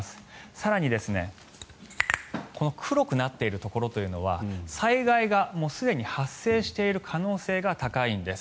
更にこの黒くなっているところは災害がもうすでに発生している可能性が高いんです。